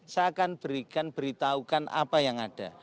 saya akan berikan beritahukan apa yang ada